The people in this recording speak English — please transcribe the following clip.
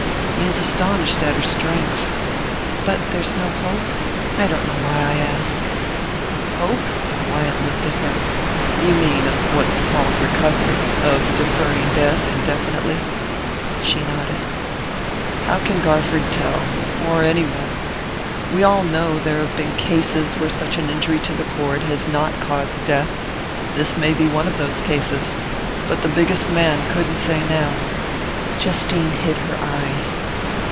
"He is astonished at her strength." "But there's no hope? I don't know why I ask!" "Hope?" Wyant looked at her. "You mean of what's called recovery of deferring death indefinitely?" She nodded. "How can Garford tell or any one? We all know there have been cases where such injury to the cord has not caused death. This may be one of those cases; but the biggest man couldn't say now." Justine hid her eyes.